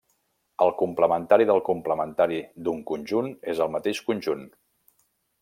El complementari del complementari d'un conjunt és el mateix conjunt.